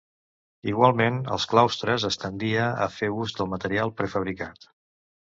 Igualment, als claustres es tendia a fer ús de material prefabricat.